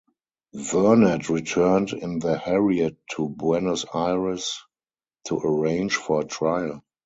Vernet returned in the "Harriet" to Buenos Aires to arrange for a trial.